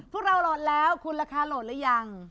พวกเราโหลดแล้วคุณราคาโหลดหรือยัง